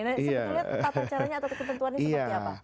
sepertinya tata caranya atau ketentuannya seperti apa